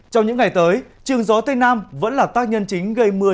trong những ngày tới trường gió tây nam vẫn là tác nhân chính gây mưa